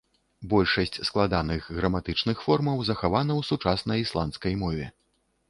Большасць складаных граматычных формаў захавана ў сучаснай ісландскай мове.